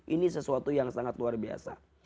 ini sesuatu yang sangat luar biasa